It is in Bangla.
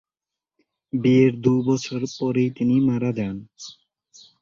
বিয়ের দু'বছর পরেই তিনি মারা যান।